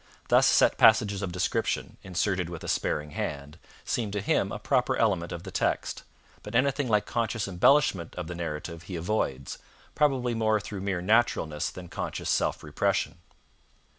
Thus set passages of description, inserted with a sparing hand, seemed to him a proper element of the text, but anything like conscious embellishment of the narrative he avoids probably more through mere naturalness than conscious self repression.